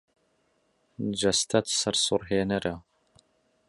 جەستەت سەرسوڕهێنەرە.